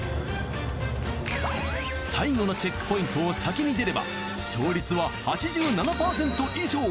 最後のチェックポイントを先に出れば勝率は８７％以上。